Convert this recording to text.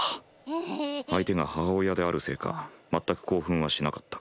相手が母親であるせいか全く興奮はしなかったが。